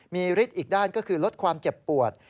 มีฤทธิ์อีกด้านก็คือลดความเจ็บปวด